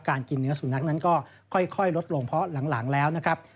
กินเนื้อสุนัขนั้นก็ค่อยลดลงเพราะหลังแล้วนะครับ